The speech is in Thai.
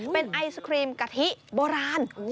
เป็นไอศครีมกะทิโบราณ